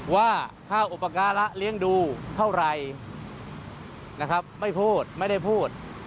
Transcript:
ว่าค่าอุปการะเลี้ยงดูเท่าไหร่นะครับไม่พูดไม่ได้พูด